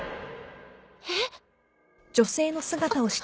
えっ？